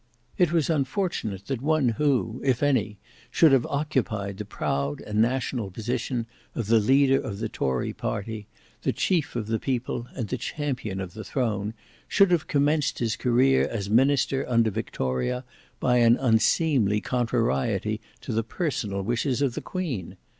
It was unfortunate that one who, if any, should have occupied the proud and national position of the leader of the tory party, the chief of the people and the champion of the throne, should have commenced his career as minister under Victoria by an unseemly contrariety to the personal wishes of the Queen.